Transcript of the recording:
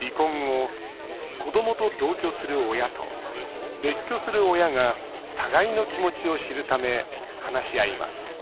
離婚後、子どもと同居する親と別居する親が互いの気持ちを知るため話し合います